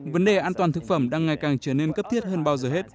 vấn đề an toàn thực phẩm đang ngày càng trở nên cấp thiết hơn bao giờ hết